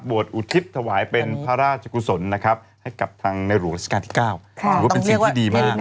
อุทิศถวายเป็นพระราชกุศลนะครับให้กับทางในหลวงราชการที่๙ถือว่าเป็นสิ่งที่ดีมาก